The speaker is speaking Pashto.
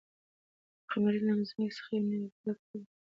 قمرۍ له ځمکې څخه یو نوی او کلک خلی په مښوکه کې پورته کړ.